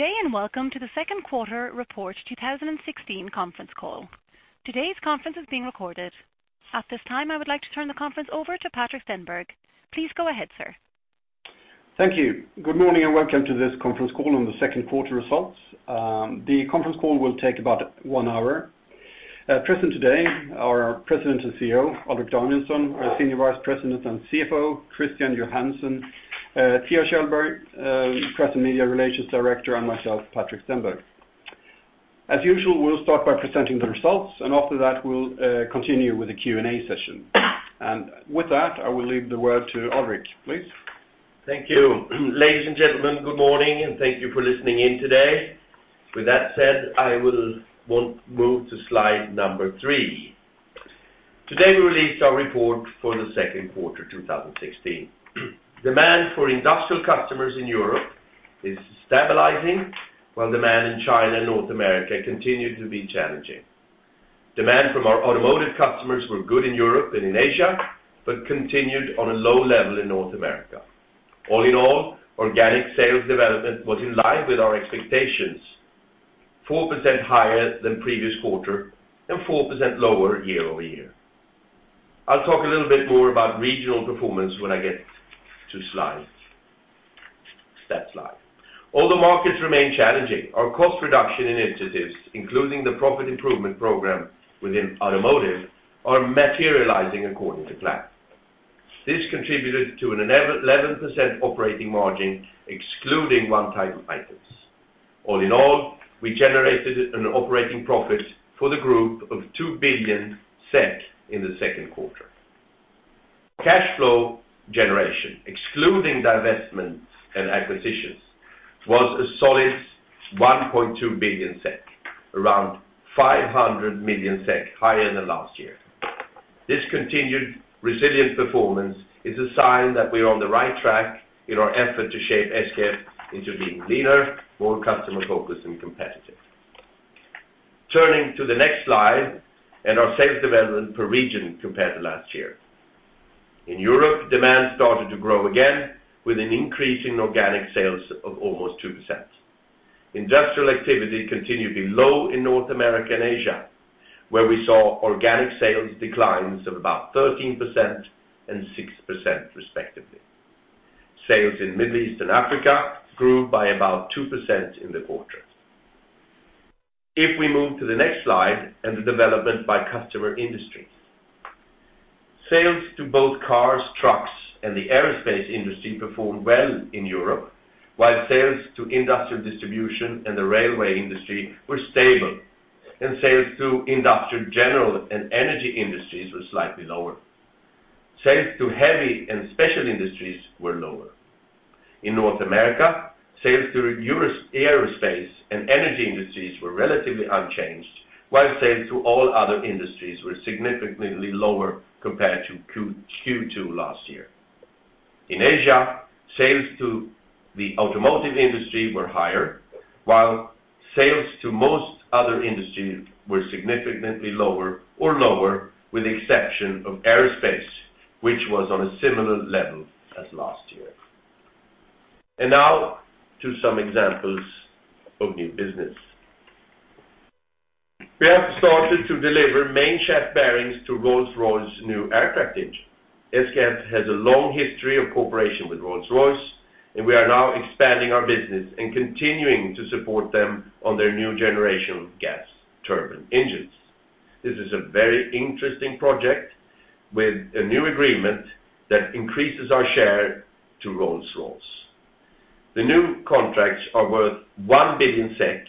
Good day, and welcome to the second quarter report, 2016 conference call. Today's conference is being recorded. At this time, I would like to turn the conference over to Patrik Stenberg. Please go ahead, sir. Thank you. Good morning, and welcome to this conference call on the second quarter results. The conference call will take about one hour. Present today, our President and CEO, Alrik Danielson, our Senior Vice President and CFO, Christian Johansson, Theo Kjellberg, Press and Media Relations Director, and myself, Patrik Stenberg. As usual, we'll start by presenting the results, and after that, we'll continue with the Q&A session. With that, I will leave the word to Alrik, please. Thank you. Ladies and gentlemen, good morning, and thank you for listening in today. With that said, I will now move to slide number 3. Today, we released our report for the second quarter, 2016. Demand for industrial customers in Europe is stabilizing, while demand in China and North America continued to be challenging. Demand from our automotive customers were good in Europe and in Asia, but continued on a low level in North America. All in all, organic sales development was in line with our expectations, 4% higher than previous quarter and 4% lower year-over-year. I'll talk a little bit more about regional performance when I get to that slide. Although markets remain challenging, our cost reduction initiatives, including the profit improvement program within automotive, are materializing according to plan. This contributed to an 11% operating margin, excluding one-time items. All in all, we generated an operating profit for the group of 2 billion SEK in the second quarter. Cash flow generation, excluding divestments and acquisitions, was a solid 1.2 billion SEK, around 500 million SEK, higher than last year. This continued resilient performance is a sign that we're on the right track in our effort to shape SKF into being leaner, more customer-focused, and competitive. Turning to the next slide, and our sales development per region compared to last year. In Europe, demand started to grow again, with an increase in organic sales of almost 2%. Industrial activity continued to be low in North America and Asia, where we saw organic sales declines of about 13% and 6%, respectively. Sales in Middle East and Africa grew by about 2% in the quarter. If we move to the next slide and the development by customer industry. Sales to both cars, trucks, and the aerospace industry performed well in Europe, while sales to industrial distribution and the railway industry were stable, and sales to industrial general and energy industries were slightly lower. Sales to heavy and special industries were lower. In North America, sales to aerospace and energy industries were relatively unchanged, while sales to all other industries were significantly lower compared to Q2 last year. In Asia, sales to the automotive industry were higher, while sales to most other industries were significantly lower or lower, with the exception of aerospace, which was on a similar level as last year. Now, to some examples of new business. We have started to deliver main shaft bearings to Rolls-Royce's new aircraft engine. SKF has a long history of cooperation with Rolls-Royce, and we are now expanding our business and continuing to support them on their new generation gas turbine engines. This is a very interesting project with a new agreement that increases our share to Rolls-Royce. The new contracts are worth 1 billion SEK,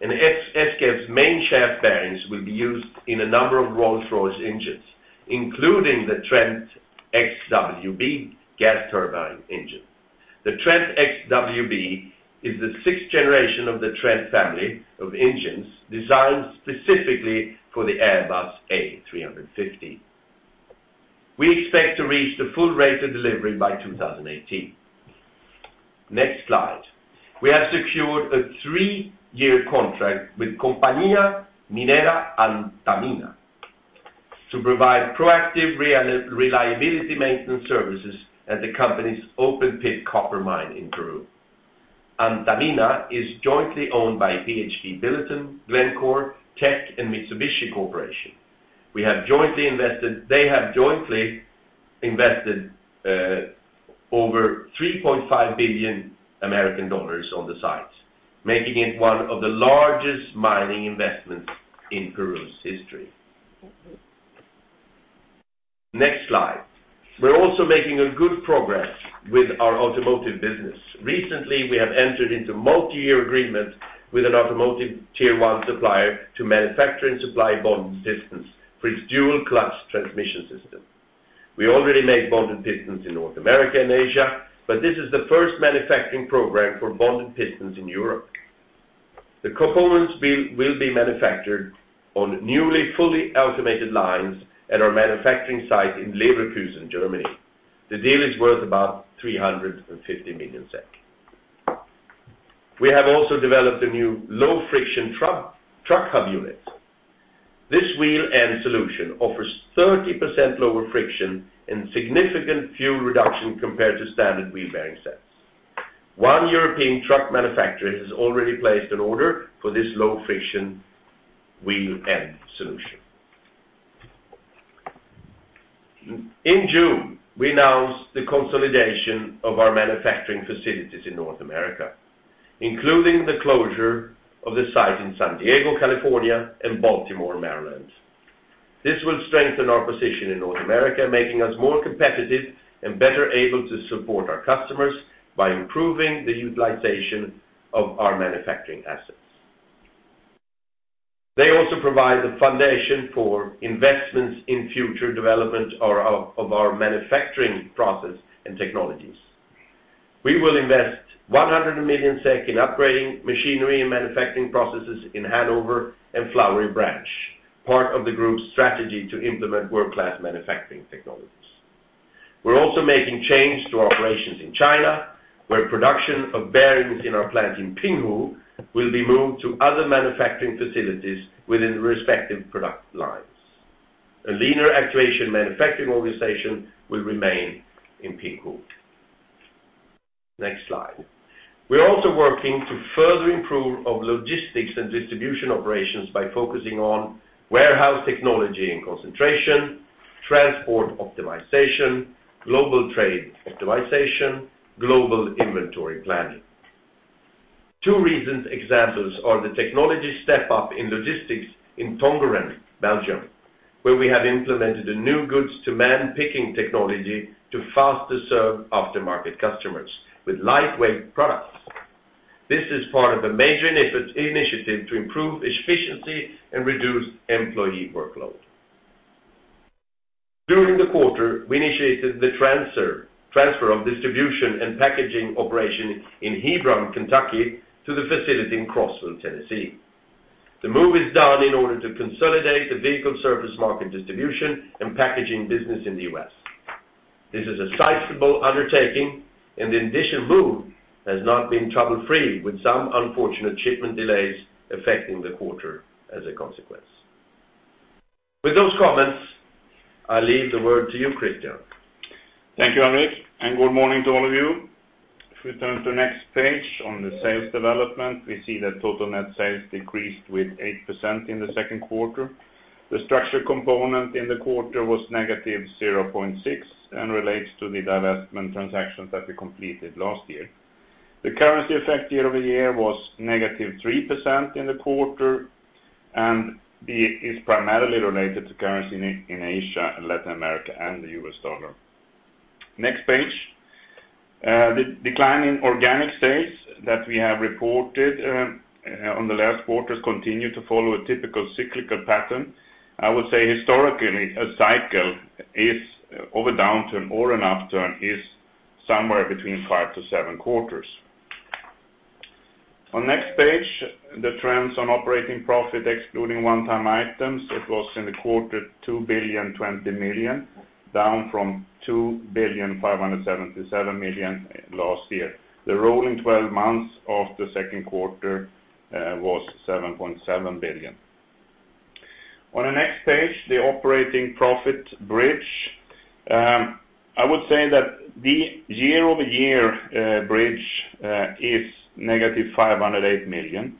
and SKF's main shaft bearings will be used in a number of Rolls-Royce engines, including the Trent XWB gas turbine engine. The Trent XWB is the sixth generation of the Trent family of engines, designed specifically for the Airbus A350. We expect to reach the full rate of delivery by 2018. Next slide. We have secured a three-year contract with Compañía Minera Antamina to provide proactive reliability maintenance services at the company's open-pit copper mine in Peru. Antamina is jointly owned by BHP Billiton, Glencore, Teck, and Mitsubishi Corporation. They have jointly invested over $3.5 billion on the site, making it one of the largest mining investments in Peru's history. Next slide. We're also making a good progress with our automotive business. Recently, we have entered into multi-year agreement with an automotive tier one supplier to manufacture and supply bonded pistons for its dual clutch transmission system. We already make bonded pistons in North America and Asia, but this is the first manufacturing program for bonded pistons in Europe. The components will, will be manufactured on newly, fully automated lines at our manufacturing site in Leverkusen, Germany. The deal is worth about 350 million SEK. We have also developed a new low-friction truck hub unit. This wheel end solution offers 30% lower friction and significant fuel reduction compared to standard wheel bearing sets. One European truck manufacturer has already placed an order for this low friction wheel end solution. In June, we announced the consolidation of our manufacturing facilities in North America, including the closure of the site in San Diego, California, and Baltimore, Maryland. This will strengthen our position in North America, making us more competitive and better able to support our customers by improving the utilization of our manufacturing assets. They also provide the foundation for investments in future development or of our manufacturing process and technologies. We will invest 100 million SEK in upgrading machinery and manufacturing processes in Hanover and Flowery Branch, part of the group's strategy to implement world-class manufacturing technologies. We're also making changes to our operations in China, where production of bearings in our plant in Pinghu will be moved to other manufacturing facilities within the respective product lines. A leaner actuation manufacturing organization will remain in Pinghu. Next slide. We're also working to further improve our logistics and distribution operations by focusing on warehouse technology and concentration, transport optimization, global trade optimization, global inventory planning. Two recent examples are the technology step up in logistics in Tongeren, Belgium, where we have implemented a new goods-to-man picking technology to faster serve aftermarket customers with lightweight products. This is part of a major initiative to improve efficiency and reduce employee workload. During the quarter, we initiated the transfer of distribution and packaging operation in Hebron, Kentucky, to the facility in Crossville, Tennessee. The move is done in order to consolidate the vehicle service market distribution and packaging business in the US. This is a sizable undertaking, and the initial move has not been trouble-free, with some unfortunate shipment delays affecting the quarter as a consequence. With those comments, I leave the word to you, Christian. Thank you, Alrik, and good morning to all of you. If we turn to the next page on the sales development, we see that total net sales decreased with 8% in the second quarter. The structure component in the quarter was negative 0.6, and relates to the divestment transactions that we completed last year. The currency effect year-over-year was negative 3% in the quarter, and is primarily related to currency in, in Asia and Latin America and the US dollar. Next page. The decline in organic sales that we have reported on the last quarters continue to follow a typical cyclical pattern. I would say historically, a cycle is over a downturn or an upturn, is somewhere between 5-7 quarters. On next page, the trends on operating profit, excluding one-time items, it was in the quarter 2.02 billion, down from 2.577 billion last year. The rolling twelve months of the second quarter was 7.7 billion. On the next page, the operating profit bridge. I would say that the year-over-year bridge is -508 million,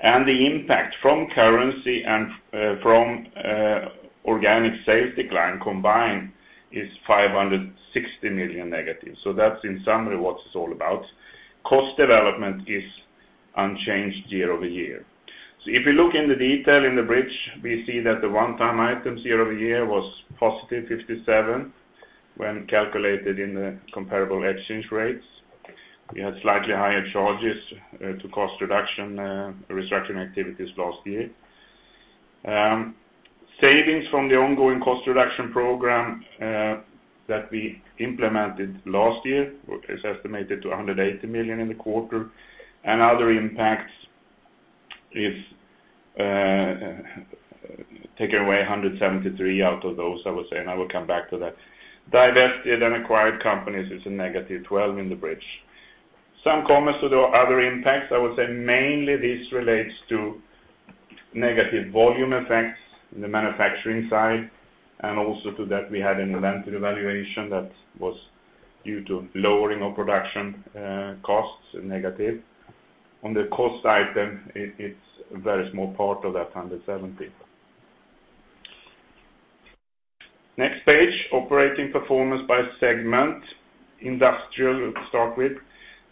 and the impact from currency and from organic sales decline combined is -560 million. So that's in summary, what it's all about. Cost development is unchanged year over year. So if you look in the detail in the bridge, we see that the one-time items year over year was +57 million when calculated in the comparable exchange rates. We had slightly higher charges to cost reduction restructuring activities last year. Savings from the ongoing cost reduction program that we implemented last year, which is estimated to 180 million in the quarter. Other impacts is take away 173 million out of those, I would say, and I will come back to that. Divested and acquired companies is a negative 12 million in the bridge. Some comments to the other impacts, I would say mainly this relates to negative volume effects in the manufacturing side, and also to that, we had an inventory valuation that was due to lowering of production costs, negative. On the cost item, it is a very small part of that 170 million. Next page, operating performance by segment. Industrial, to start with.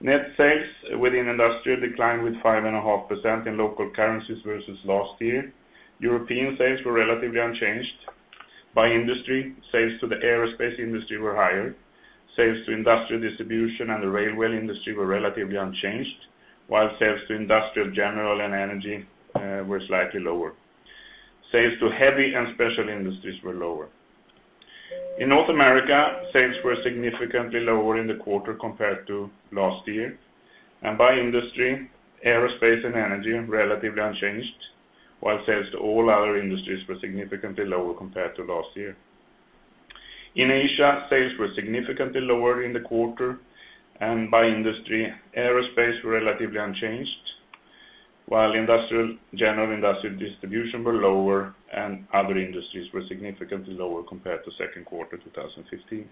Net sales within industrial declined with 5.5% in local currencies versus last year. European sales were relatively unchanged. By industry, sales to the aerospace industry were higher. Sales to industrial distribution and the railway industry were relatively unchanged, while sales to industrial, general, and energy were slightly lower. Sales to heavy and special industries were lower. In North America, sales were significantly lower in the quarter compared to last year, and by industry, aerospace and energy, relatively unchanged, while sales to all other industries were significantly lower compared to last year. In Asia, sales were significantly lower in the quarter, and by industry, aerospace were relatively unchanged, while industrial, general industrial distribution were lower, and other industries were significantly lower compared to second quarter, 2015.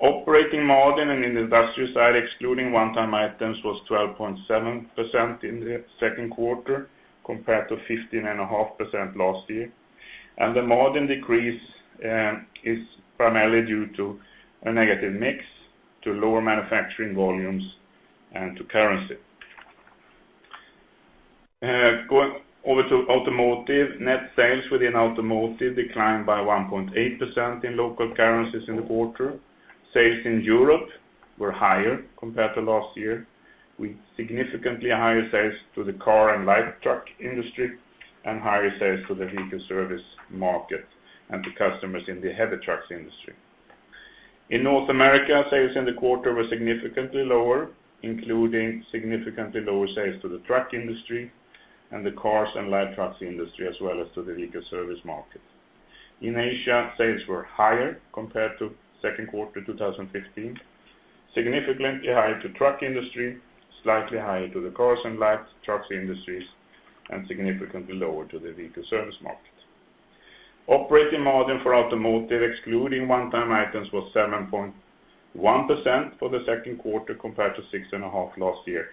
Operating margin in the industrial side, excluding one-time items, was 12.7% in the second quarter, compared to 15.5% last year. The margin decrease is primarily due to a negative mix, to lower manufacturing volumes, and to currency. Going over to automotive, net sales within automotive declined by 1.8% in local currencies in the quarter. Sales in Europe were higher compared to last year, with significantly higher sales to the car and light truck industry, and higher sales to the vehicle service market, and to customers in the heavy trucks industry. In North America, sales in the quarter were significantly lower, including significantly lower sales to the truck industry and the cars and light trucks industry, as well as to the vehicle service market. In Asia, sales were higher compared to second quarter 2015, significantly higher to truck industry, slightly higher to the cars and light trucks industries, and significantly lower to the vehicle service market. Operating margin for automotive, excluding one-time items, was 7.1% for the second quarter, compared to 6.5% last year.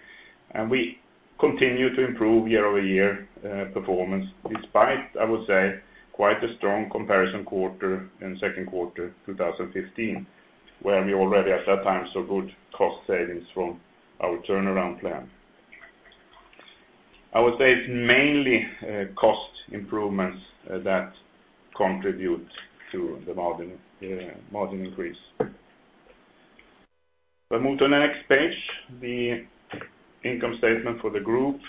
And we continue to improve year-over-year performance, despite, I would say, quite a strong comparison quarter in second quarter 2015, where we already at that time, saw good cost savings from our turnaround plan. I would say it's mainly cost improvements that contribute to the margin margin increase. We move to the next page, the income statement for the group.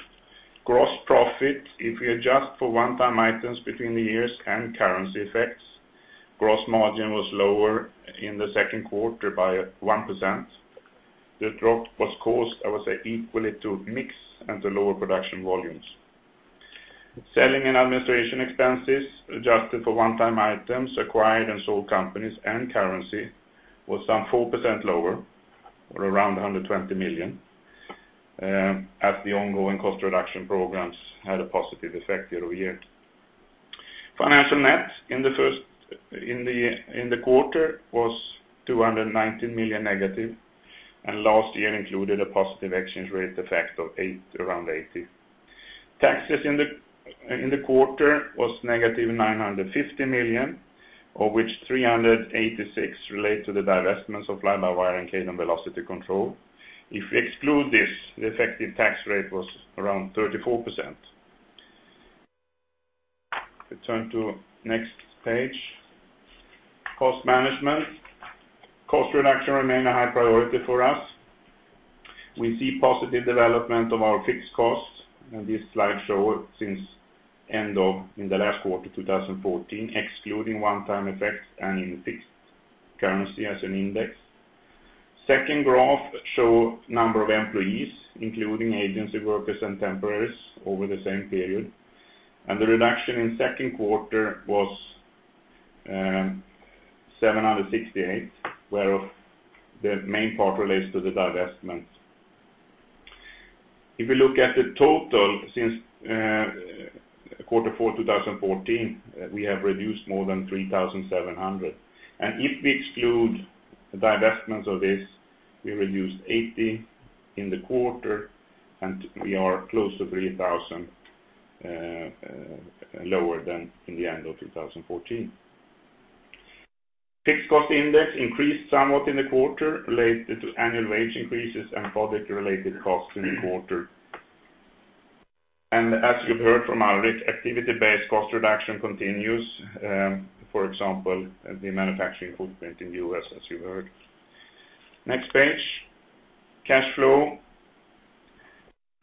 Gross profit, if we adjust for one-time items between the years and currency effects, gross margin was lower in the second quarter by 1%. The drop was caused, I would say, equally to mix and to lower production volumes. Selling and administration expenses, adjusted for one-time items, acquired and sold companies, and currency, was 4% lower, or around 120 million, as the ongoing cost reduction programs had a positive effect year-over-year. Financial net in the first quarter was negative 219 million, and last year included a positive exchange rate effect of around 80 million. Taxes in the quarter was negative 950 million, of which 386 relate to the divestments of Fly-by-wire and Kaydon Velocity Control. If we exclude this, the effective tax rate was around 34%. We turn to next page. Cost management. Cost reduction remain a high priority for us. We see positive development of our fixed costs, and this slide shows since end of, in the last quarter, 2014, excluding one-time effects and in fixed currency as an index. Second graph shows number of employees, including agency workers and temporaries over the same period, and the reduction in second quarter was 768, whereof the main part relates to the divestments. If we look at the total since quarter four, 2014, we have reduced more than 3,700. And if we exclude the divestments of this, we reduced 80 in the quarter, and we are close to 3,000 lower than in the end of 2014. Fixed cost index increased somewhat in the quarter, related to annual wage increases and product-related costs in the quarter. As you've heard from our risk activity-based cost reduction continues, for example, the manufacturing footprint in the U.S., as you heard. Next page, cash flow,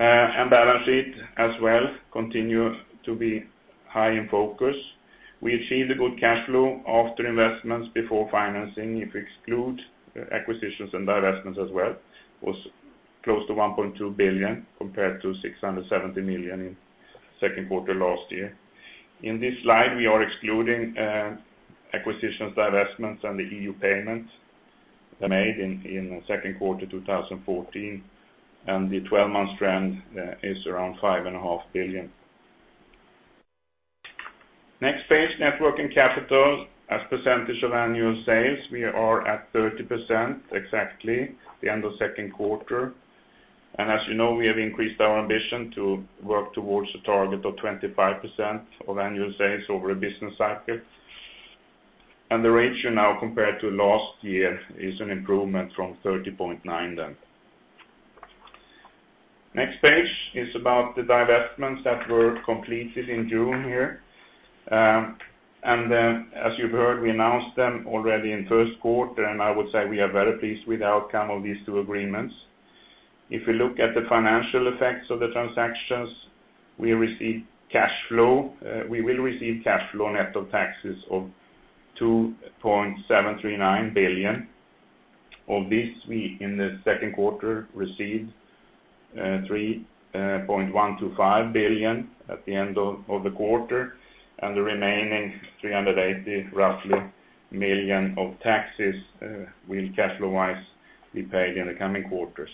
and balance sheet as well, continue to be high in focus. We achieved a good cash flow after investments before financing, if we exclude acquisitions and divestments as well, was close to 1.2 billion, compared to 670 million in second quarter last year. In this slide, we are excluding, acquisitions, divestments, and the EU payments made in the second quarter, 2014, and the twelve-month trend, is around 5.5 billion. Next page, net working capital. As percentage of annual sales, we are at 30%, exactly, the end of second quarter. And as you know, we have increased our ambition to work towards a target of 25% of annual sales over a business cycle. And the ratio now, compared to last year, is an improvement from 30.9 then. Next page is about the divestments that were completed in June here, and then, as you've heard, we announced them already in first quarter, and I would say we are very pleased with the outcome of these two agreements. If you look at the financial effects of the transactions, we received cash flow, we will receive cash flow net of taxes of 2.739 billion.... Of this, we in the second quarter received 3.125 billion at the end of the quarter, and the remaining, roughly, 380 million of taxes will capitalize, be paid in the coming quarters.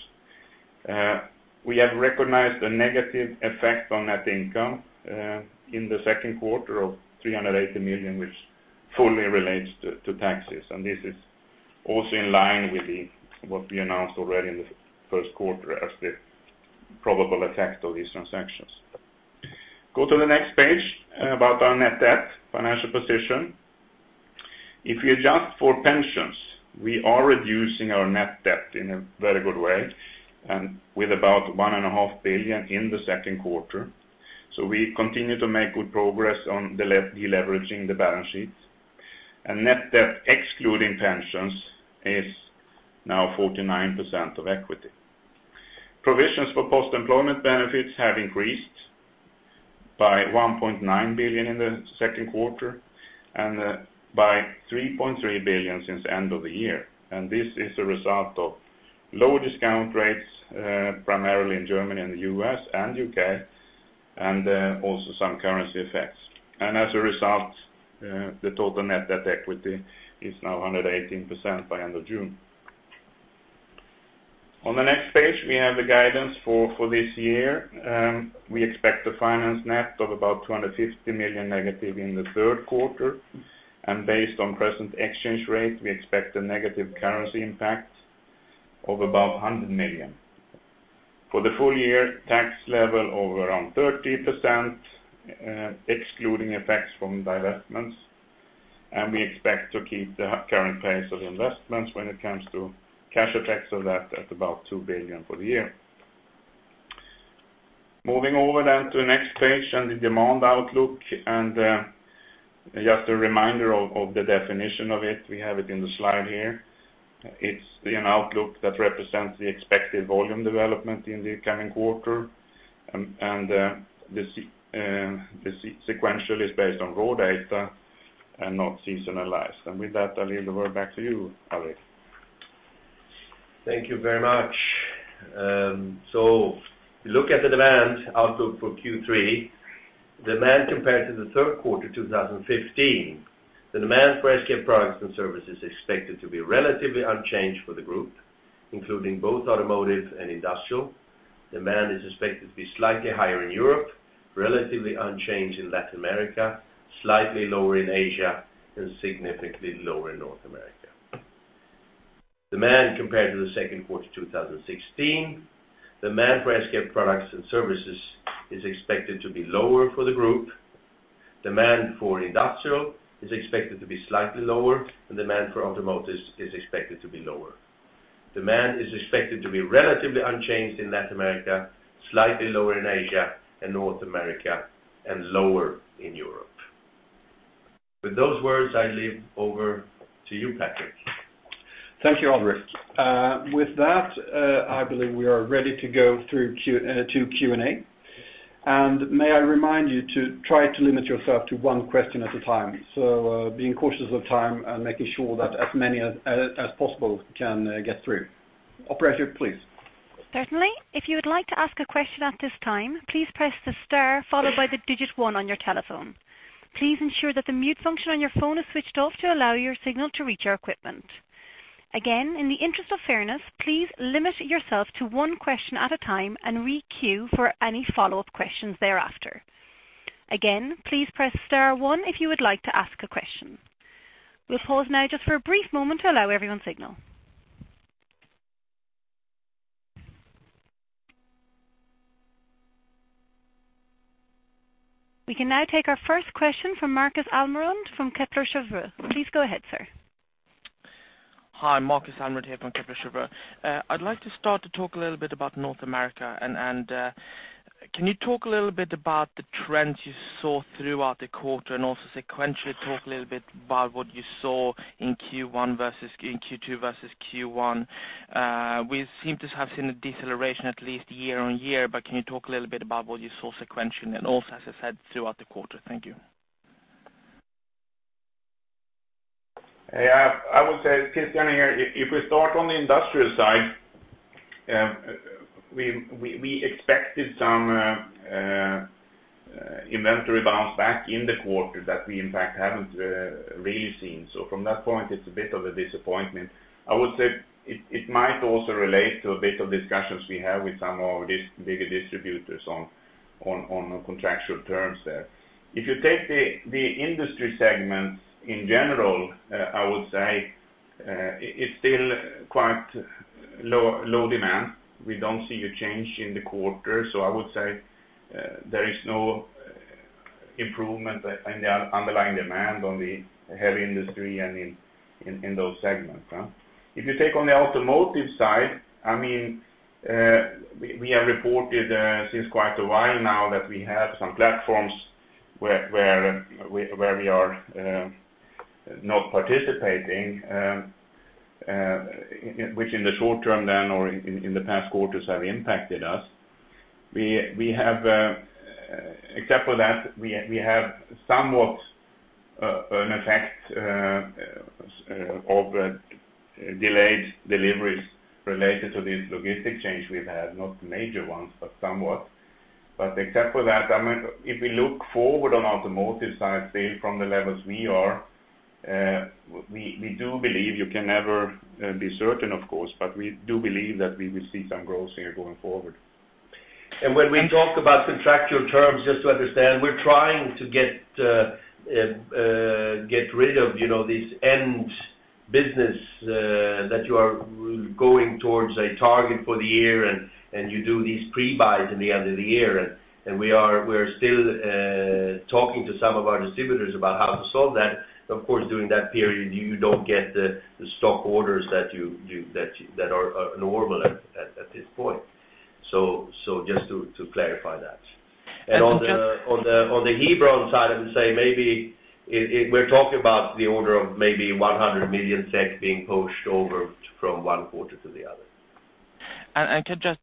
We have recognized the negative effect on net income in the second quarter of 380 million, which fully relates to taxes. And this is also in line with what we announced already in the first quarter as the probable effect of these transactions. Go to the next page about our net debt financial position. If we adjust for pensions, we are reducing our net debt in a very good way, and with about 1.5 billion in the second quarter. So we continue to make good progress on the deleveraging the balance sheet. Net debt, excluding pensions, is now 49% of equity. Provisions for post-employment benefits have increased by 1.9 billion in the second quarter, and by 3.3 billion since the end of the year. This is a result of low discount rates, primarily in Germany and the U.S. and U.K., and also some currency effects. As a result, the total net debt equity is now 118% by end of June. On the next page, we have the guidance for this year. We expect a finance net of about 250 million negative in the third quarter, and based on present exchange rate, we expect a negative currency impact of about 100 million. For the full year, tax level of around 30%, excluding effects from divestments, and we expect to keep the current pace of investments when it comes to cash effects of that at about 2 billion for the year. Moving over then to the next page on the demand outlook, and, just a reminder of, of the definition of it, we have it in the slide here. It's an outlook that represents the expected volume development in the coming quarter, and, sequentially is based on raw data and not seasonalized. And with that, I leave the word back to you, Alrik. Thank you very much. So if you look at the demand outlook for Q3, demand compared to the third quarter, 2015, the demand for SKF products and services is expected to be relatively unchanged for the group, including both automotive and industrial. Demand is expected to be slightly higher in Europe, relatively unchanged in Latin America, slightly lower in Asia, and significantly lower in North America. Demand compared to the second quarter, 2016, demand for SKF products and services is expected to be lower for the group. Demand for industrial is expected to be slightly lower, and demand for automotive is expected to be lower. Demand is expected to be relatively unchanged in Latin America, slightly lower in Asia and North America, and lower in Europe. With those words, I leave over to you, Patrik. Thank you, Alrik. With that, I believe we are ready to go through Q to Q&A. May I remind you to try to limit yourself to one question at a time, so being cautious of time and making sure that as many as possible can get through. Operator, please. Certainly. If you would like to ask a question at this time, please press the star followed by the digit one on your telephone. Please ensure that the mute function on your phone is switched off to allow your signal to reach our equipment. Again, in the interest of fairness, please limit yourself to one question at a time and re-queue for any follow-up questions thereafter. Again, please press star one if you would like to ask a question. We'll pause now just for a brief moment to allow everyone signal. We can now take our first question from Marcus Almér from Kepler Cheuvreux. Please go ahead, sir. Hi, Marcus Almér here from Kepler Cheuvreux. I'd like to start to talk a little bit about North America, and can you talk a little bit about the trends you saw throughout the quarter, and also sequentially talk a little bit about what you saw in Q1 versus in Q2 versus Q1? We seem to have seen a deceleration, at least year-on-year, but can you talk a little bit about what you saw sequentially, and also, as I said, throughout the quarter? Thank you. Yeah, I would say, Christian here, if we start on the industrial side, we expected some inventory bounce back in the quarter that we, in fact, haven't really seen. So from that point, it's a bit of a disappointment. I would say it might also relate to a bit of discussions we have with some of our bigger distributors on contractual terms there. If you take the industry segments in general, I would say, it is still quite low demand. We don't see a change in the quarter, so I would say, there is no improvement in the underlying demand on the heavy industry and in those segments. If you take on the automotive side, I mean, we have reported since quite a while now that we have some platforms where we are not participating, which in the short term then or in the past quarters have impacted us. We have, except for that, somewhat an effect of delayed deliveries related to this logistic change we've had, not major ones, but somewhat. But except for that, I mean, if we look forward on automotive side, say, from the levels we are, we do believe you can never be certain, of course, but we do believe that we will see some growth here going forward. When we talk about contractual terms, just to understand, we're trying to get rid of, you know, this end business that you are going towards a target for the year, and you do these pre-buys in the end of the year. We are still talking to some of our distributors about how to solve that. But of course, during that period, you don't get the stock orders that you that are normal at this point. So just to clarify that. Thank you. On the Hebron side, I would say maybe we're talking about the order of maybe 100 million SEK being pushed over from one quarter to the other.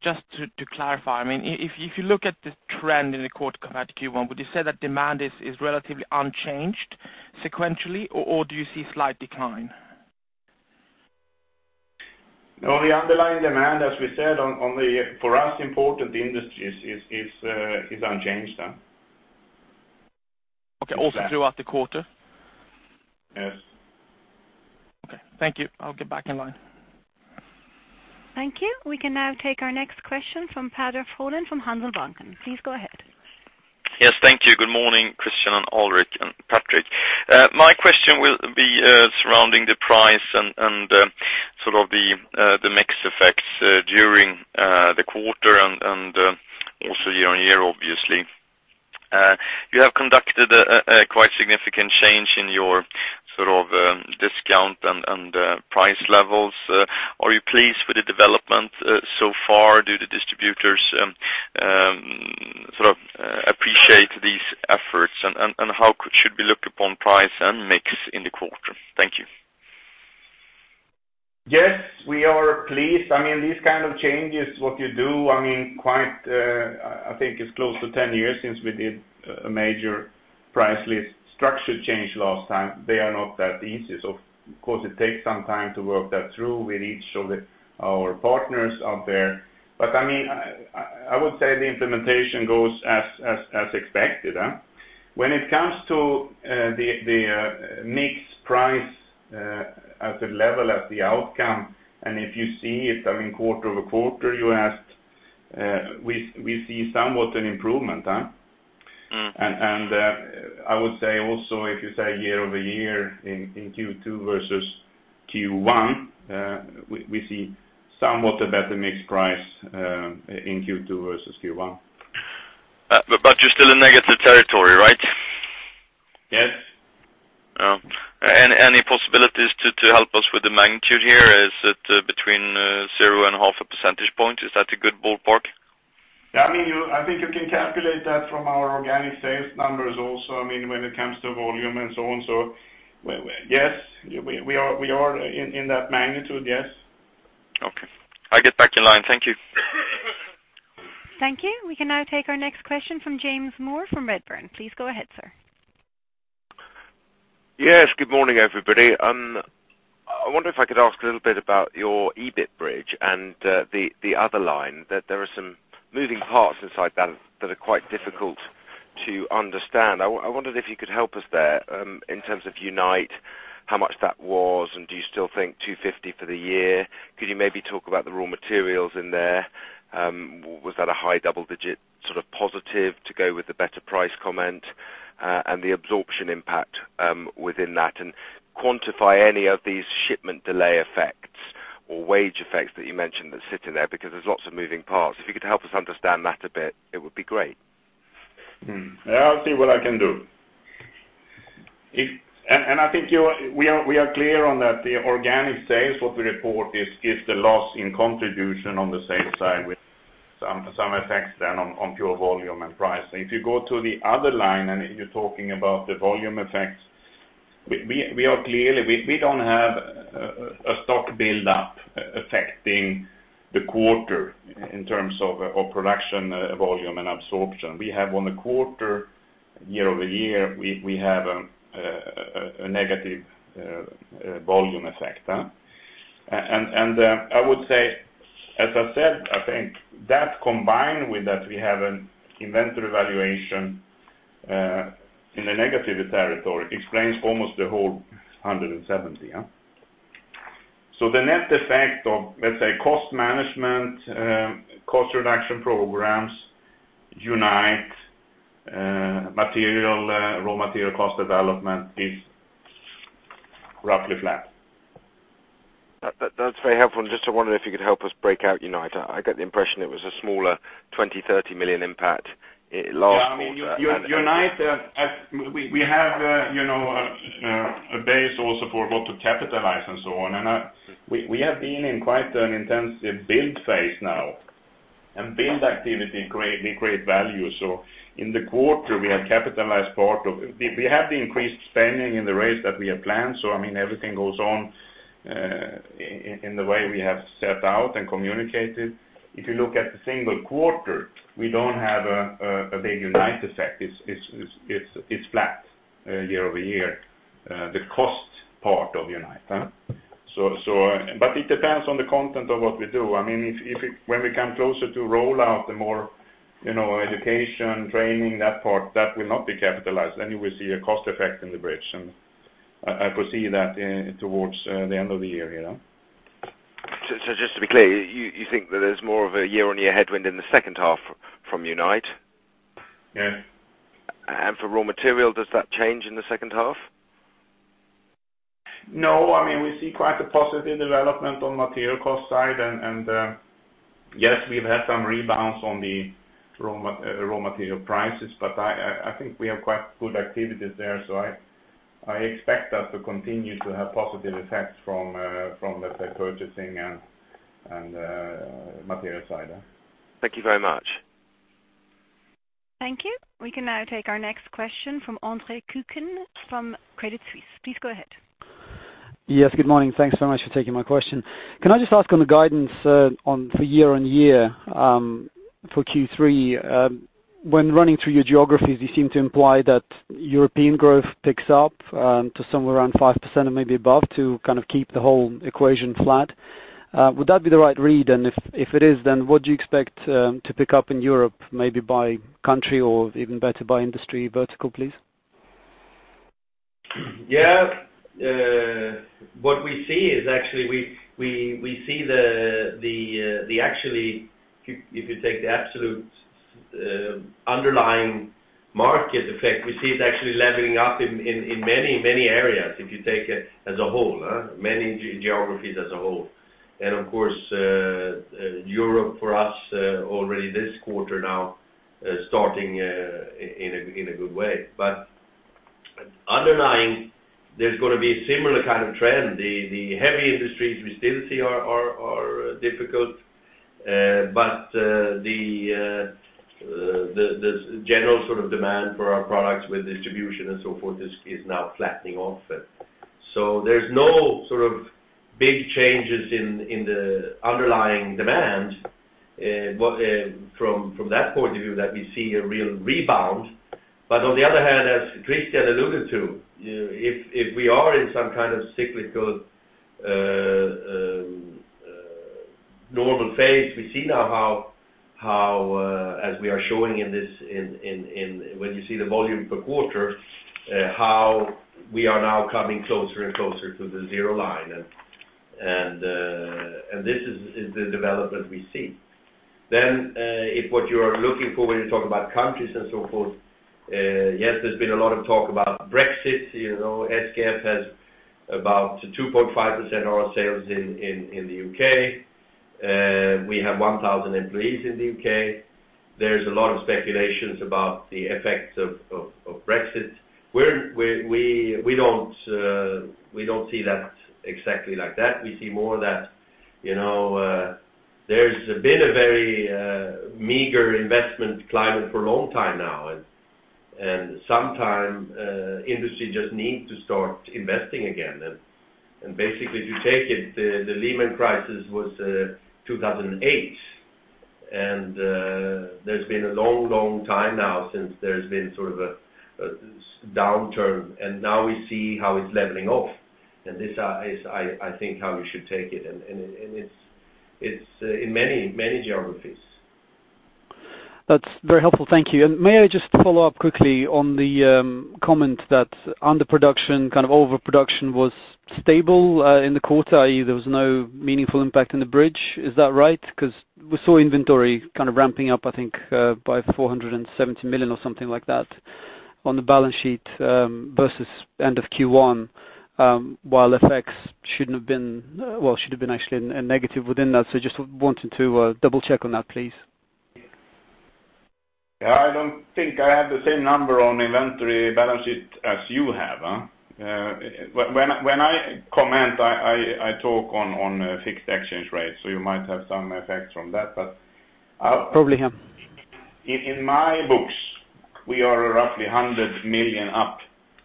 Just to clarify, I mean, if you look at the trend in the quarter compared to Q1, would you say that demand is relatively unchanged sequentially, or do you see slight decline? No, the underlying demand, as we said, on the for us important industries is unchanged. Okay. Also throughout the quarter? Yes. Okay. Thank you. I'll get back in line. Thank you. We can now take our next question from Peder Frölén, from Handelsbanken. Please go ahead. Yes, thank you. Good morning, Christian and Alrik and Patrik. My question will be surrounding the price and sort of the mix effects during the quarter and also year-on-year, obviously. You have conducted a quite significant change in your sort of discount and price levels. Are you pleased with the development so far? Do the distributors sort of appreciate these efforts? And how should we look upon price and mix in the quarter? Thank you. Yes, we are pleased. I mean, these kind of changes, what you do, I mean, quite, I think it's close to 10 years since we did a major price list structure change last time. They are not that easy. So of course, it takes some time to work that through with each of our partners out there. But, I mean, I would say the implementation goes as expected. When it comes to the mix price as a level, as the outcome, and if you see it, I mean, quarter-over-quarter, you asked, we see somewhat an improvement. Mm. I would say also, if you say year-over-year in Q2 versus Q1, we see somewhat a better mix price in Q2 versus Q1. But, but you're still in negative territory, right? Yes. Oh, and any possibilities to, to help us with the magnitude here? Is it between 0 and 0.5 percentage points? Is that a good ballpark? Yeah, I mean, you, I think you can calculate that from our organic sales numbers also, I mean, when it comes to volume and so on. So yes, we are in that magnitude, yes. Okay. I get back in line. Thank you. Thank you. We can now take our next question from James Moore from Redburn. Please go ahead, sir. Yes, good morning, everybody. I wonder if I could ask a little bit about your EBIT bridge and the other line, that there are some moving parts inside that, that are quite difficult to understand. I wondered if you could help us there, in terms of Unite, how much that was, and do you still think 250 for the year? Could you maybe talk about the raw materials in there? Was that a high double-digit, sort of positive to go with the better price comment, and the absorption impact within that? And quantify any of these shipment delay effects or wage effects that you mentioned that sit in there, because there's lots of moving parts. If you could help us understand that a bit, it would be great. I'll see what I can do. If... I think we're clear on that the organic sales, what we report is the loss in contribution on the sales side, with some effects then on pure volume and price. If you go to the other line, and you're talking about the volume effects, we are clearly-- we don't have a stock build-up affecting the quarter in terms of production, volume, and absorption. We have on the quarter, year-over-year, we have a negative volume effect. I would say, as I said, I think that combined with that, we have an inventory valuation in a negative territory, explains almost the whole 170. So the net effect of, let's say, cost management, cost reduction programs, Unite, material, raw material cost development is roughly flat. That's very helpful. And just to wonder if you could help us break out Unite. I get the impression it was a smaller 20-30 million impact. It last- Yeah, I mean, Unite, as we have, you know, a base also for what to capitalize and so on. And, we have been in quite an intensive build phase now.... and build activity create, we create value. So in the quarter, we have capitalized part of, we have the increased spending in the race that we have planned, so I mean, everything goes on in the way we have set out and communicated. If you look at the single quarter, we don't have a big Unite effect. It's flat year-over-year, the cost part of Unite, huh? So but it depends on the content of what we do. I mean, if it, when we come closer to roll out, the more, you know, education, training, that part, that will not be capitalized, then you will see a cost effect in the bridge. And I foresee that towards the end of the year, you know? So, just to be clear, you think that there's more of a year-on-year headwind in the second half from Unite? Yeah. For raw material, does that change in the second half? No. I mean, we see quite a positive development on material cost side, yes, we've had some rebounds on the raw material prices, but I think we have quite good activities there, so I expect that to continue to have positive effects from the purchasing and material side. Thank you very much. Thank you. We can now take our next question from Andre Kukhnin, from Credit Suisse. Please go ahead. Yes, good morning. Thanks so much for taking my question. Can I just ask on the guidance, on for year-on-year, for Q3? When running through your geographies, you seem to imply that European growth picks up, to somewhere around 5% and maybe above, to kind of keep the whole equation flat. Would that be the right read? And if it is, then what do you expect, to pick up in Europe, maybe by country or even better by industry vertical, please? Yeah. What we see is actually, if you take the absolute underlying market effect, we see it's actually leveling up in many areas, if you take it as a whole, huh? Many geographies as a whole. And of course, Europe for us already this quarter now starting in a good way. But underlying, there's gonna be a similar kind of trend. The heavy industries we still see are difficult, but the general sort of demand for our products with distribution and so forth is now flattening off. So there's no sort of big changes in the underlying demand, but from that point of view, that we see a real rebound. But on the other hand, as Christian alluded to, if we are in some kind of cyclical normal phase, we see now how as we are showing in this when you see the volume per quarter how we are now coming closer and closer to the zero line, and this is the development we see. Then if what you are looking for, when you talk about countries and so forth, yes, there's been a lot of talk about Brexit. You know, SKF has about 2.5% of our sales in the U.K., and we have 1,000 employees in the U.K. There's a lot of speculations about the effects of Brexit. We don't see that exactly like that. We see more that, you know, there's been a very meager investment climate for a long time now, and sometime industry just need to start investing again. And basically, if you take it, the Lehman crisis was 2008, and there's been a long, long time now since there's been sort of a downturn, and now we see how it's leveling off. And this is, I think, how we should take it, and it's in many, many geographies. That's very helpful. Thank you. And may I just follow up quickly on the comment that underproduction, kind of overproduction was stable in the quarter, i.e., there was no meaningful impact on the bridge. Is that right? Because we saw inventory kind of ramping up, I think, by 470 million or something like that on the balance sheet versus end of Q1, while effects shouldn't have been... Well, should have been actually a negative within that. So just wanting to double-check on that, please. Yeah. I don't think I have the same number on inventory balance sheet as you have, huh? When I comment, I talk on fixed exchange rates, so you might have some effects from that, but I'll- Probably, yeah. In my books, we are roughly 100 million up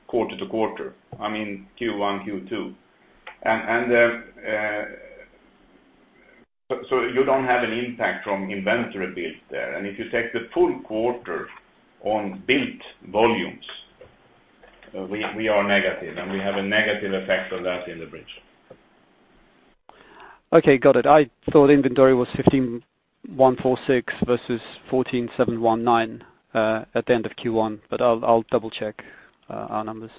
quarter-to-quarter, I mean, Q1, Q2. You don't have an impact from inventory build there. And if you take the full quarter on built volumes, we are negative, and we have a negative effect on that in the bridge. Okay, got it. I thought inventory was 15,146 versus 14,719 at the end of Q1, but I'll double-check our numbers.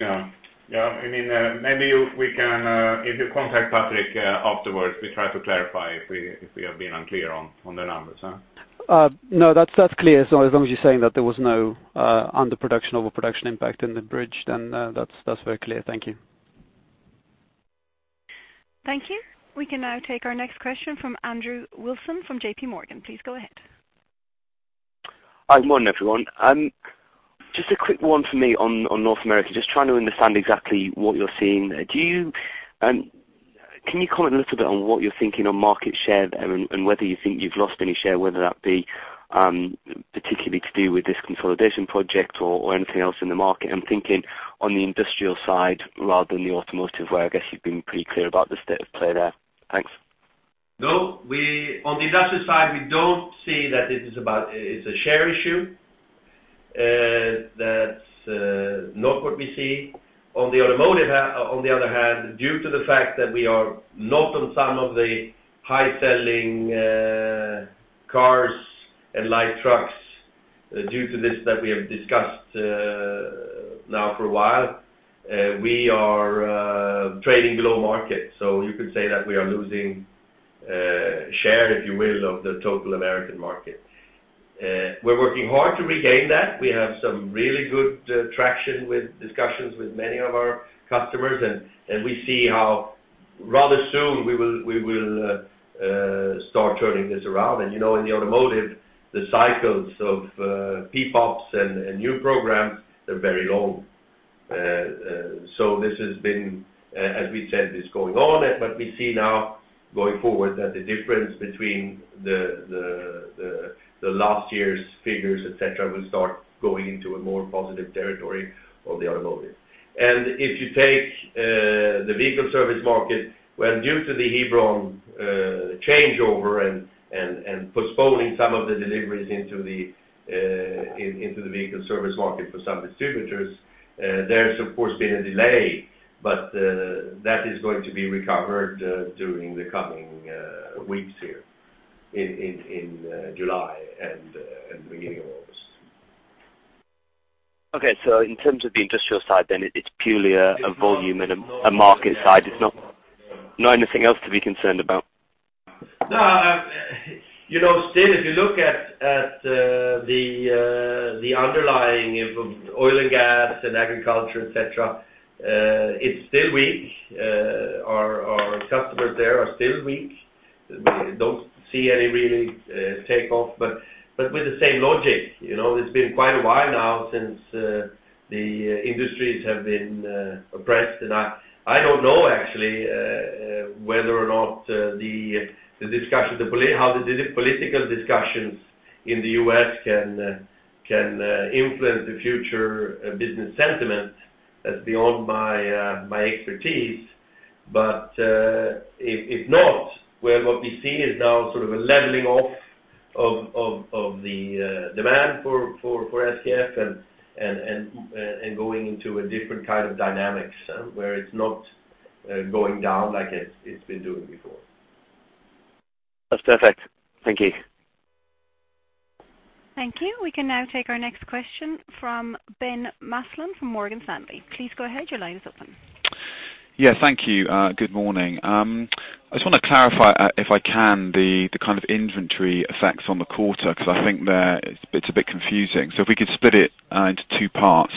Yeah. Yeah, I mean, maybe you, we can, if you contact Patrik afterwards, we try to clarify if we, if we have been unclear on, on the numbers, huh? No, that's, that's clear. So as long as you're saying that there was no underproduction, overproduction impact in the bridge, then that's, that's very clear. Thank you. Thank you. We can now take our next question from Andrew Wilson, from JP Morgan. Please go ahead.... Hi, good morning, everyone. Just a quick one for me on North America, just trying to understand exactly what you're seeing there. Do you, can you comment a little bit on what you're thinking on market share there, and whether you think you've lost any share, whether that be particularly to do with this consolidation project or anything else in the market? I'm thinking on the industrial side rather than the automotive, where I guess you've been pretty clear about the state of play there. Thanks. No, we on the industrial side, we don't see that it is about, it's a share issue. That's not what we see. On the automotive on the other hand, due to the fact that we are not on some of the high-selling cars and light trucks, due to this that we have discussed now for a while, we are trading below market. So you could say that we are losing share, if you will, of the total American market. We're working hard to regain that. We have some really good traction with discussions with many of our customers, and we see how rather soon we will start turning this around. And, you know, in the automotive, the cycles of PPAPs and new programs, they're very long. So this has been, as we said, is going on, but we see now, going forward, that the difference between the last year's figures, et cetera, will start going into a more positive territory on the automotive. And if you take the vehicle service market, when due to the Hebron changeover and postponing some of the deliveries into the vehicle service market for some distributors, there's of course been a delay, but that is going to be recovered during the coming weeks here in July and the beginning of August. Okay, so in terms of the industrial side, then, it's purely a volume and a market side. It's not, not anything else to be concerned about? No, you know, still, if you look at the underlying of oil and gas and agriculture, et cetera, it's still weak. Our customers there are still weak. We don't see any really takeoff, but with the same logic, you know, it's been quite a while now since the industries have been oppressed. And I don't know actually whether or not the discussion, how the political discussions in the U.S. can influence the future business sentiment. That's beyond my expertise. But if not, well, what we see is now sort of a leveling off of the demand for SKF, and going into a different kind of dynamics, where it's not going down like it's been doing before. That's perfect. Thank you. Thank you. We can now take our next question from Ben Maslen, from Morgan Stanley. Please go ahead. Your line is open. Yeah, thank you. Good morning. I just want to clarify, if I can, the kind of inventory effects on the quarter, because I think they're... it's a bit confusing. So if we could split it into two parts.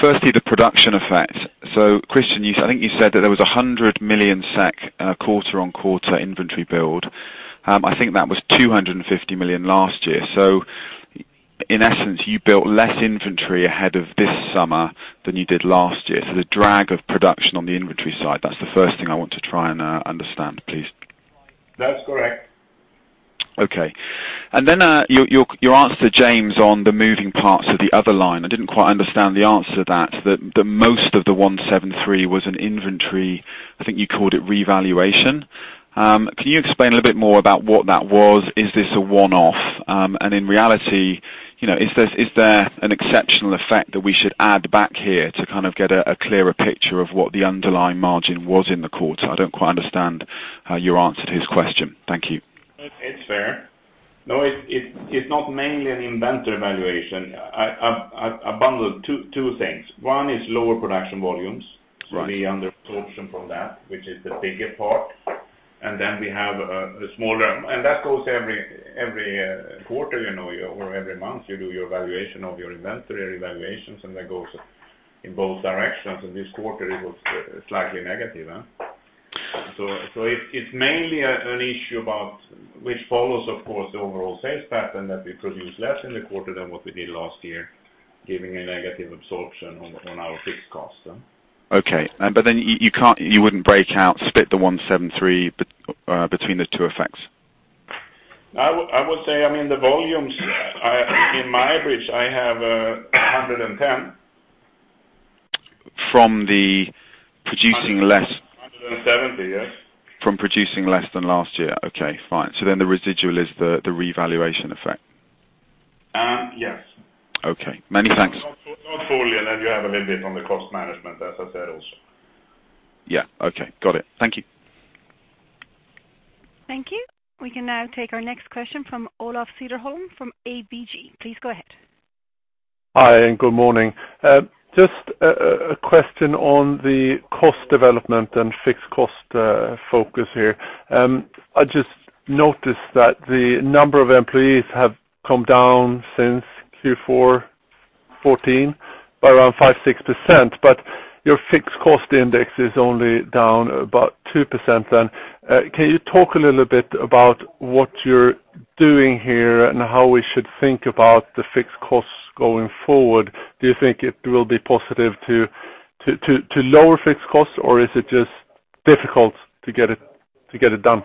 Firstly, the production effect. So Christian, you, I think you said that there was 100 million SEK quarter-over-quarter inventory build. I think that was 250 million last year. So in essence, you built less inventory ahead of this summer than you did last year. So the drag of production on the inventory side, that's the first thing I want to try and understand, please. That's correct. Okay. And then, your, your, your answer to James on the moving parts of the other line, I didn't quite understand the answer to that, that the most of the 173 was an inventory, I think you called it revaluation. Can you explain a little bit more about what that was? Is this a one-off? And in reality, you know, is this, is there an exceptional effect that we should add back here to kind of get a, a clearer picture of what the underlying margin was in the quarter? I don't quite understand, your answer to his question. Thank you. It's fair. No, it's not mainly an inventory valuation. I bundled two things. One is lower production volumes- Right... so we under absorption from that, which is the bigger part. And then we have the smaller—and that goes every quarter, you know, or every month, you do your valuation of your inventory valuations, and that goes in both directions, and this quarter, it was slightly negative, huh? So it's mainly an issue about which follows, of course, the overall sales pattern, that we produce less in the quarter than what we did last year, giving a negative absorption on our fixed cost. Okay. But then you can't, you wouldn't break out, split the 173 between the two effects? I would say, I mean, the volumes, in my average, I have 110. From the producing less? 170, yes. From producing less than last year. Okay, fine. So then the residual is the, the revaluation effect? Um, yes. Okay. Many thanks. Not, not fully, and then you have a little bit on the cost management, as I said, also. Yeah, okay. Got it. Thank you. Thank you. We can now take our next question from Olof Cederholm, from ABG. Please go ahead. Hi, and good morning. Just a question on the cost development and fixed cost focus here. I just noticed that the number of employees have come down since Q4 2014 by around 5-6%, but your fixed cost index is only down about 2% then. Can you talk a little bit about what you're doing here and how we should think about the fixed costs going forward? Do you think it will be positive to lower fixed costs, or is it just difficult to get it done?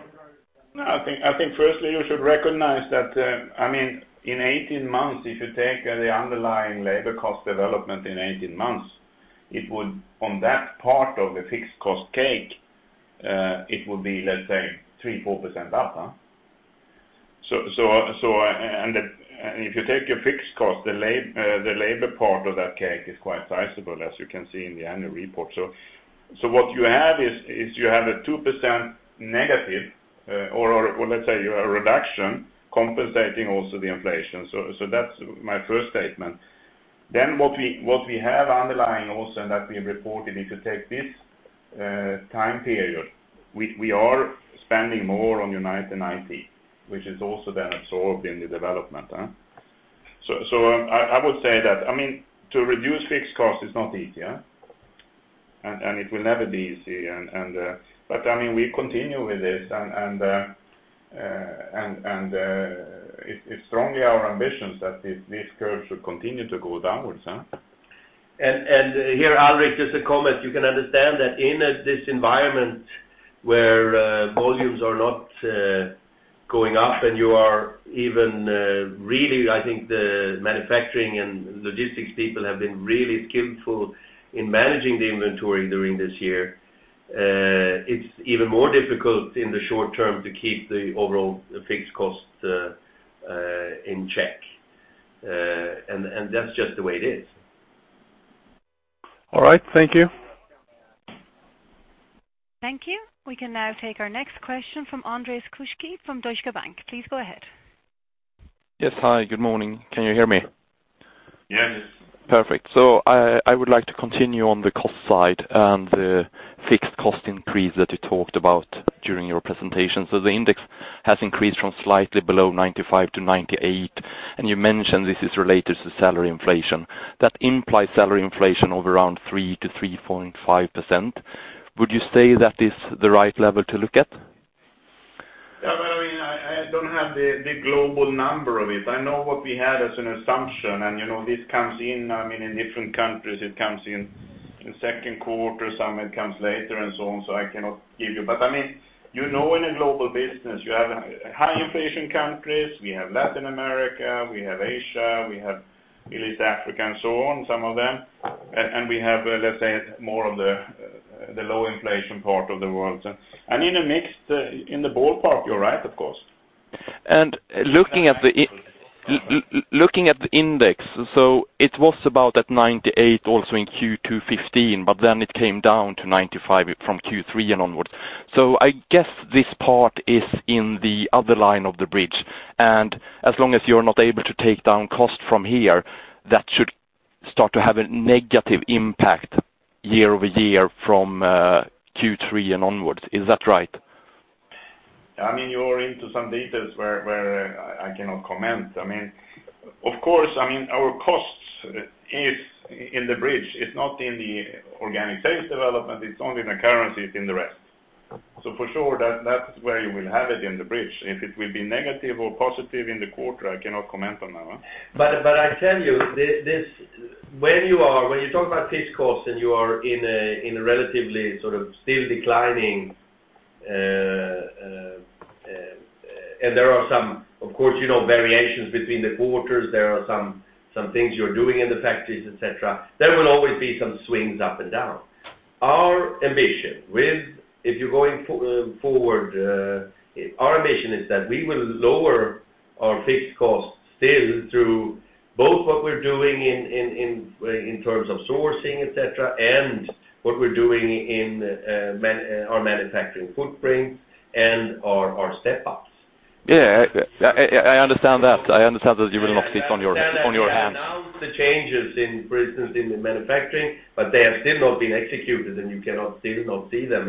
I think, I think firstly, you should recognize that, I mean, in 18 months, if you take the underlying labor cost development in 18 months, it would, on that part of the fixed cost cake, it would be, let's say, 3%-4% up, huh? So, and if you take your fixed cost, the labor part of that cake is quite sizable, as you can see in the annual report. So what you have is you have a 2% negative, or let's say, a reduction compensating also the inflation. So that's my first statement. Then what we have underlying also, and that we have reported, if you take this time period, we are spending more on your IT and IT, which is also then absorbed in the development. I would say that, I mean, to reduce fixed costs is not easy, and it will never be easy. But, I mean, we continue with this. It's strongly our ambitions that this curve should continue to go downwards, huh? And, and here, Ulrich, just a comment. You can understand that in this environment where volumes are not going up, and you are even really, I think the manufacturing and logistics people have been really skillful in managing the inventory during this year. It's even more difficult in the short term to keep the overall fixed cost in check. And, and that's just the way it is. All right. Thank you. Thank you. We can now take our next question from Andreas Koski from Deutsche Bank. Please go ahead. Yes. Hi, good morning. Can you hear me? Yes. Perfect. So I would like to continue on the cost side and the fixed cost increase that you talked about during your presentation. So the index has increased from slightly below 95 to 98, and you mentioned this is related to salary inflation. That implies salary inflation of around 3%-3.5%. Would you say that is the right level to look at? Yeah, but I mean, I don't have the global number of it. I know what we had as an assumption, and, you know, this comes in, I mean, in different countries, it comes in the second quarter, some it comes later and so on. So I cannot give you... But, I mean, you know, in a global business, you have high inflation countries, we have Latin America, we have Asia, we have Middle East, Africa, and so on, some of them. And we have, let's say, more of the low inflation part of the world. And in a mix, in the ballpark, you're right, of course. And looking at the- Go ahead. Looking at the index, so it was about at 98, also in Q2 2015, but then it came down to 95 from Q3 and onwards. So I guess this part is in the other line of the bridge, and as long as you're not able to take down cost from here, that should start to have a negative impact year-over-year from Q3 and onwards. Is that right? I mean, you're into some details where I cannot comment. I mean, of course, I mean, our costs is in the bridge. It's not in the organic sales development, it's only in the currency, it's in the rest. So for sure, that, that's where you will have it in the bridge. If it will be negative or positive in the quarter, I cannot comment on that one. But I tell you, this when you talk about fixed costs, and you are in a relatively sort of still declining, and there are some, of course, you know, variations between the quarters, there are some things you're doing in the factories, et cetera. There will always be some swings up and down. Our ambition going forward is that we will lower our fixed costs still through both what we're doing in terms of sourcing, et cetera, and what we're doing in our manufacturing footprint and our step ups. Yeah, I understand that. I understand that you will not keep on your hands. Announced the changes in, for instance, the manufacturing, but they have still not been executed, and you cannot still not see them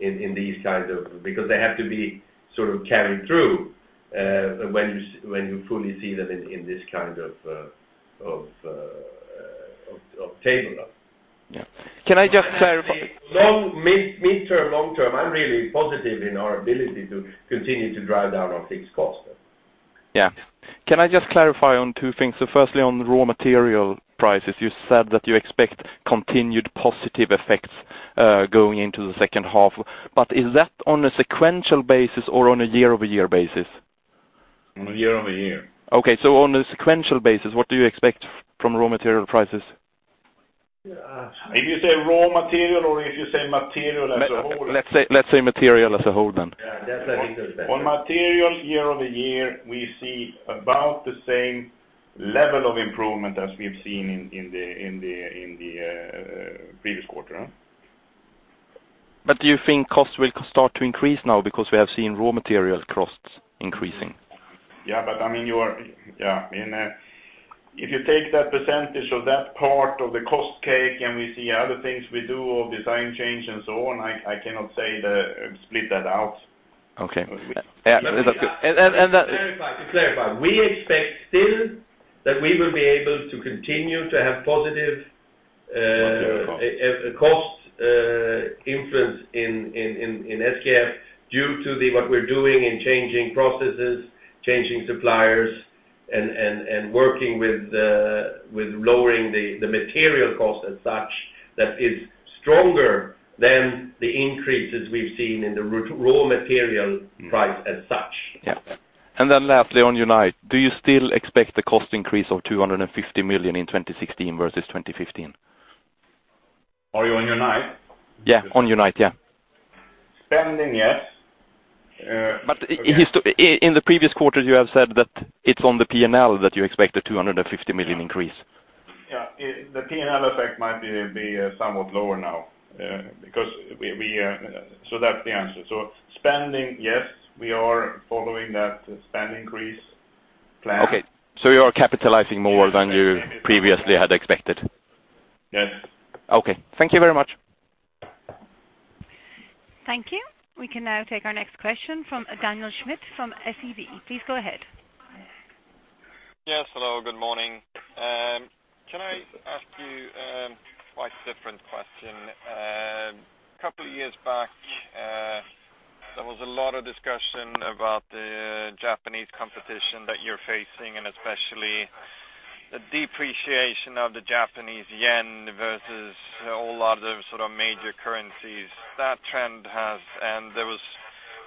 in these kinds of... Because they have to be sort of carried through, when you fully see them in this kind of table. Yeah. Can I just clarify- Long, mid, mid-term, long term, I'm really positive in our ability to continue to drive down our fixed costs. Yeah. Can I just clarify on two things? So firstly, on raw material prices, you said that you expect continued positive effects, going into the second half, but is that on a sequential basis or on a year-over-year basis? On a year-over-year. Okay. On a sequential basis, what do you expect from raw material prices? If you say raw material or if you say material as a whole? Let's say, let's say material as a whole then. Yeah, that's a detail better. On material year-over-year, we see about the same level of improvement as we've seen in the previous quarter. Do you think costs will start to increase now because we have seen raw material costs increasing? Yeah, but I mean, you are, yeah, in a. If you take that percentage of that part of the cost cake, and we see other things we do, or design change and so on, I cannot say the split that out.... Okay. Yeah, and that- To clarify, we expect still that we will be able to continue to have positive cost influence in SKF, due to what we're doing in changing processes, changing suppliers, and working with lowering the material cost as such, that is stronger than the increases we've seen in the raw material price as such. Yeah. And then lastly, on Unite, do you still expect the cost increase of 250 million in 2016 versus 2015? Are you on Unite? Yeah, on Unite, yeah. Spending, yes. But in the previous quarters, you have said that it's on the P&L that you expect the 250 million increase. Yeah, the PNL effect might be somewhat lower now, because we... So that's the answer. So spending, yes, we are following that spend increase plan. Okay, so you are capitalizing more than you previously had expected? Yes. Okay. Thank you very much. Thank you. We can now take our next question from Daniel Schmidt from SEB. Please go ahead. Yes, hello, good morning. Can I ask you, quite a different question? A couple of years back, there was a lot of discussion about the Japanese competition that you're facing, and especially the depreciation of the Japanese yen versus a whole lot of sort of major currencies. That trend has, and there was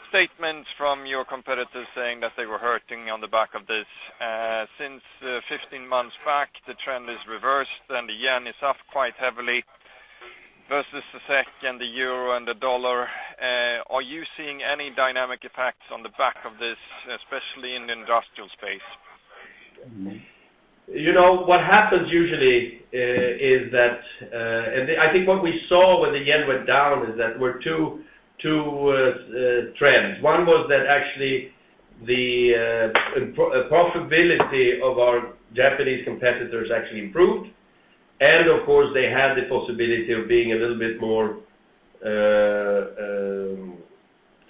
statements from your competitors saying that they were hurting on the back of this. Since 15 months back, the trend is reversed, and the yen is up quite heavily versus the SEK and the euro and the dollar. Are you seeing any dynamic effects on the back of this, especially in the industrial space? You know, what happens usually, is that, and I think what we saw when the yen went down is that we're two, two, trends. One was that actually the profitability of our Japanese competitors actually improved. And of course, they had the possibility of being a little bit more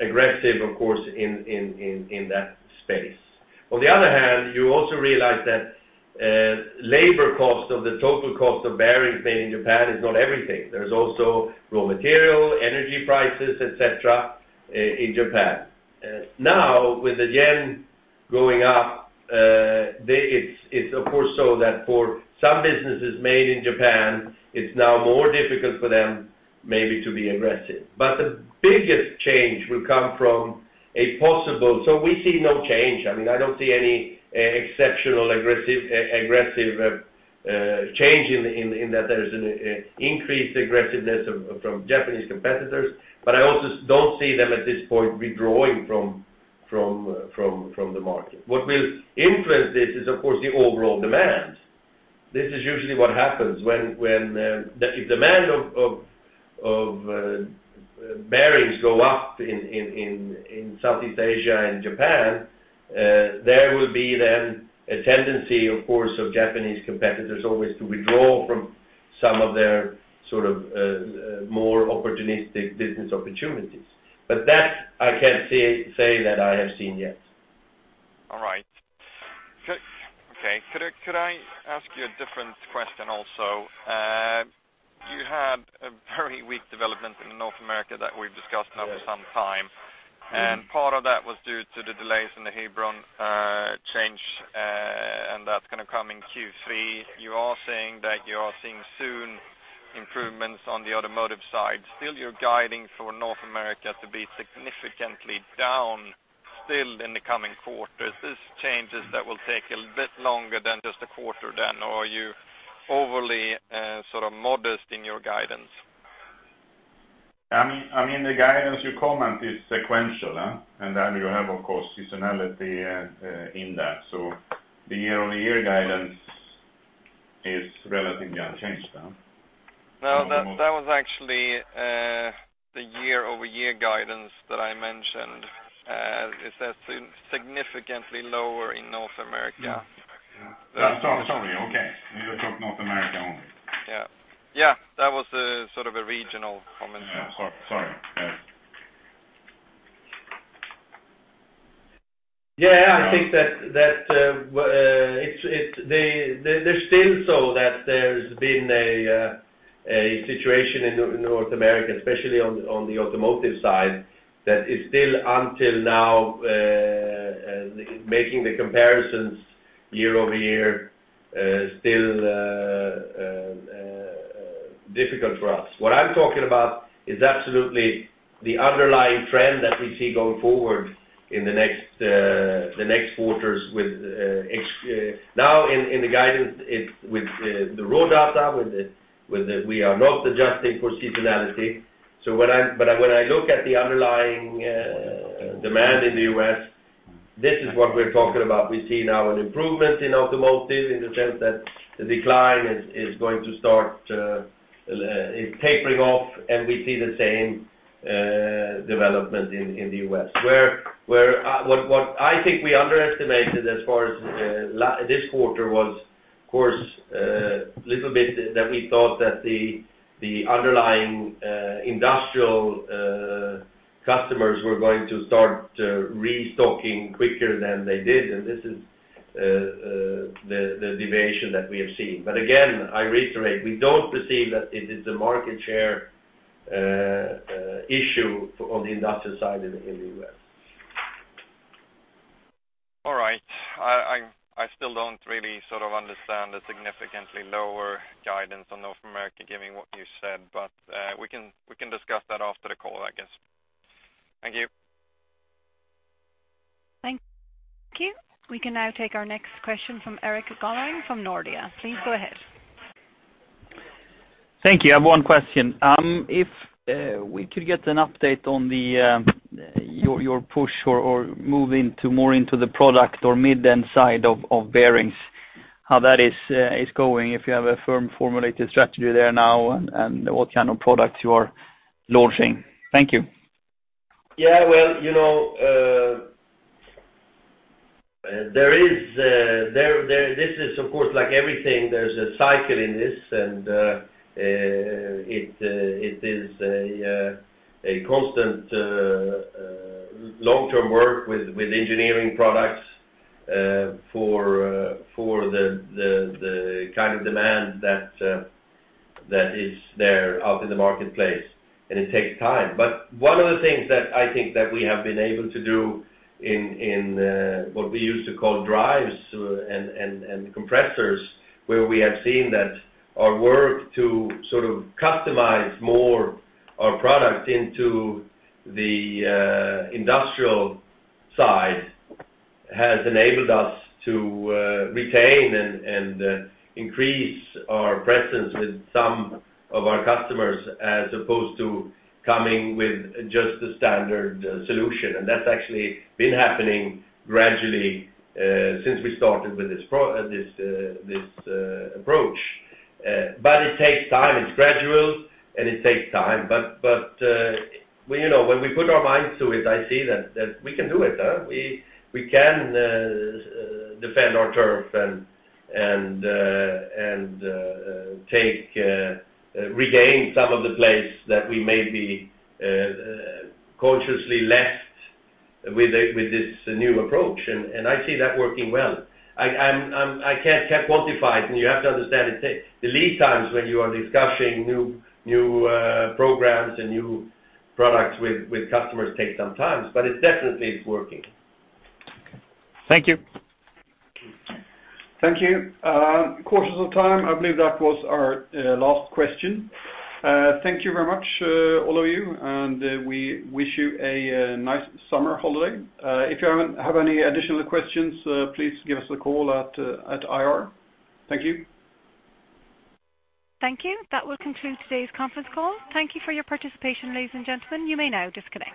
aggressive, of course, in that space. On the other hand, you also realize that labor cost of the total cost of bearings made in Japan is not everything. There's also raw material, energy prices, et cetera, in Japan. Now, with the yen going up, they—it's, it's of course, so that for some businesses made in Japan, it's now more difficult for them maybe to be aggressive. But the biggest change will come from a possible... So we see no change. I mean, I don't see any exceptional aggressive change in that there is an increased aggressiveness of- from Japanese competitors, but I also don't see them at this point, withdrawing from the market. What will influence this is, of course, the overall demand. This is usually what happens when the demand of bearings go up in Southeast Asia and Japan, there will be then a tendency, of course, of Japanese competitors always to withdraw from some of their sort of more opportunistic business opportunities. But that I can't say that I have seen yet. All right. Okay, could I, could I ask you a different question also? You had a very weak development in North America that we've discussed now for some time, and part of that was due to the delays in the Hebron, change, and that's going to come in Q3. You are saying that you are seeing soon improvements on the automotive side. Still, you're guiding for North America to be significantly down, still in the coming quarters. This changes that will take a bit longer than just a quarter then, or are you overly, sort of modest in your guidance? I mean, the guidance you comment is sequential, and then you have, of course, seasonality, in that. So the year-over-year guidance is relatively unchanged now. No, that was actually the year-over-year guidance that I mentioned is that significantly lower in North America. Yeah. Sorry, sorry, okay. You talk North America only. Yeah. Yeah, that was a sort of a regional comment. Yeah. Sorry. Yeah. Yeah, I think that it's – they, there's still so that there's been a situation in North America, especially on the automotive side, that is still until now making the comparisons year-over-year still difficult for us. What I'm talking about is absolutely the underlying trend that we see going forward in the next quarters with now in the guidance, it's with the raw data, with the... We are not adjusting for seasonality. So when I'm – but when I look at the underlying demand in the U.S., this is what we're talking about. We see now an improvement in automotive, in the sense that the decline is going to start; it's tapering off, and we see the same development in the U.S. Where what I think we underestimated as far as this quarter was... Of course, little bit that we thought that the underlying industrial customers were going to start restocking quicker than they did, and this is the deviation that we have seen. But again, I reiterate, we don't perceive that it is a market share issue on the industrial side in the U.S. All right. I still don't really sort of understand the significantly lower guidance on North America, given what you said, but we can, we can discuss that after the call, I guess. Thank you. Thank you. We can now take our next question from Erik Golrang from Nordea. Please go ahead. Thank you. I have one question. If we could get an update on your push or move into more into the product or mid-end side of bearings, how that is going, if you have a firm formulated strategy there now, and what kind of products you are launching? Thank you. Yeah, well, you know, there is. This is, of course, like everything, there's a cycle in this, and it is a constant long-term work with engineering products for the kind of demand that is there out in the marketplace, and it takes time. But one of the things that I think that we have been able to do in what we used to call drives and compressors, where we have seen that our work to sort of customize more our product into the industrial side, has enabled us to retain and increase our presence with some of our customers, as opposed to coming with just the standard solution. That's actually been happening gradually, since we started with this, this approach. It takes time. It's gradual, and it takes time, but, well, you know, when we put our minds to it, I see that we can do it, huh? We can defend our turf and take, regain some of the place that we may be consciously left with this new approach, and I see that working well. I can't quantify it, and you have to understand it takes... The lead times when you are discussing new, new programs and new products with customers take some time, but it definitely is working. Thank you. Thank you. Because of time, I believe that was our last question. Thank you very much, all of you, and we wish you a nice summer holiday. If you have any additional questions, please give us a call at IR. Thank you. Thank you. That will conclude today's conference call. Thank you for your participation, ladies and gentlemen. You may now disconnect.